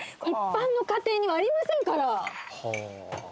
一般の家庭にはありませんから。